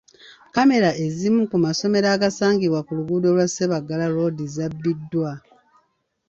Kkamera ezimu ku masomero agasangibwa ku luguudo lwa Ssebaggala Road zabbiddwa.